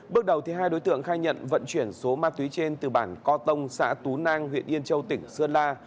bước đầu hai đối tượng khai nhận vận chuyển số ma túy trên từ bản co tông xã tú nang huyện yên châu tỉnh sơn la